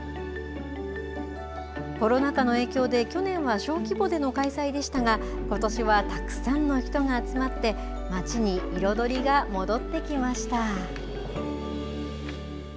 コロナ禍の影響で、去年は小規模での開催でしたが、ことしはたくさんの人が集まって、街に彩りが戻ってきました。